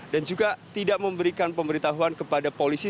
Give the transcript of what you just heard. dan juga tidak memberikan pemberitahuan kepada polisi